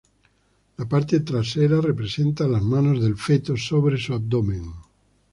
La parte trasera representa las manos del feto sobre su abdomen.